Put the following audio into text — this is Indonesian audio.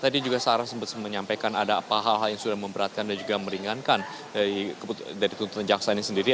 dari tuntutan jaksa ini sendiri